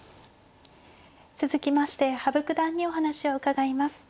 続きまして羽生九段にお話を伺います。